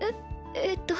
えっと